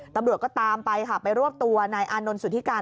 ตำรวจก็ตามไปค่ะไปรวบตัวนายอานนท์สุธิการ